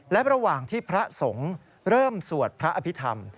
และระหว่างที่พระสงฆ์เริ่มสวดพระอภิษฐรรม